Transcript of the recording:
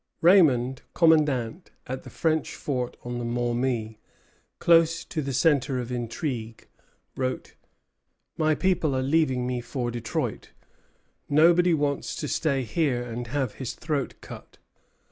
Raymond, commandant at the French fort on the Maumee, close to the centre of intrigue, wrote: "My people are leaving me for Detroit. Nobody wants to stay here and have his throat cut.